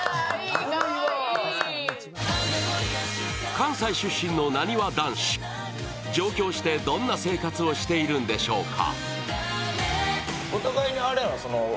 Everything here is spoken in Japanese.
関西出身のなにわ男子、上京してどんな生活をしてるんでしょうか？